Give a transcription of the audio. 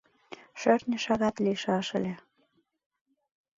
Шӧртньӧ шагат лийшаш ыле;